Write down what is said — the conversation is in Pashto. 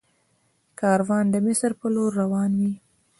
کاروان د مصر په لور روان وي.